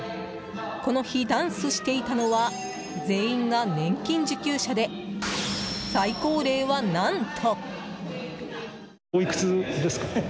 この日、ダンスしていたのは全員が年金受給者で最高齢は何と。